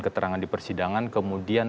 keterangan di persidangan kemudian